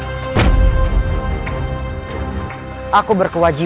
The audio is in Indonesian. kau harus berhenti